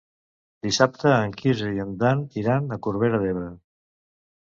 Dissabte en Quirze i en Dan iran a Corbera d'Ebre.